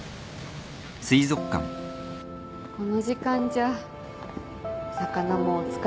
この時間じゃ魚もお疲れですかね。